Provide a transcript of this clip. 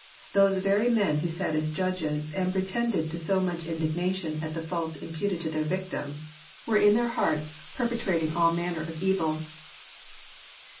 Those very men who sat as judges, and pretended to so much indignation at the faults imputed to their victim, were in their hearts perpetrating all manner of evil.